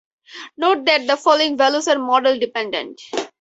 Note that the following values are model dependent.